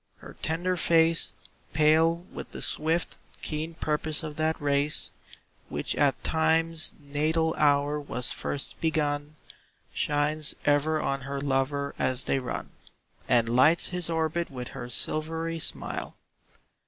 Her tender face, Pale with the swift, keen purpose of that race Which at Time's natal hour was first begun, Shines ever on her lover as they run And lights his orbit with her silvery smile.